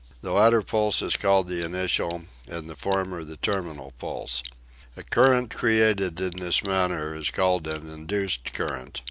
The latter impulse is called the initial and the former the terminal impulse. A current created in this manner is called an induced current.